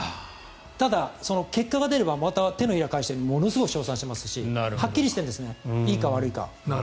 ただ、結果が出ればまた手のひら返してものすごく称賛しますしはっきりしているんですねいいか悪いか。